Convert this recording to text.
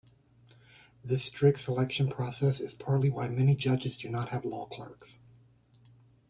This strict selection process is partly why many judges do not have law clerks.